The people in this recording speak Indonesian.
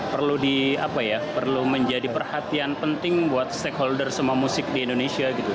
perlu di apa ya perlu menjadi perhatian penting buat stakeholder semua musik di indonesia gitu